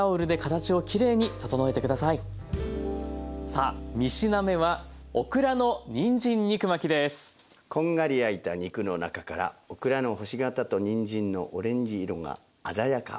さあ３品目はこんがり焼いた肉の中からオクラの星形とにんじんのオレンジ色が鮮やか。